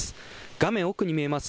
画面奥に見えます